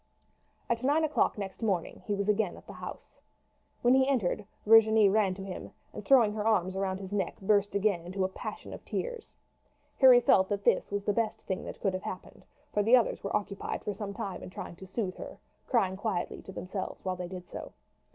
At nine o'clock next morning he was again at the house. When he entered Virginie ran to him, and throwing her arms round his neck again burst into a passion of tears. Harry felt that this was the best thing that could have happened, for the others were occupied for some time in trying to soothe her, crying quietly to themselves while they did so.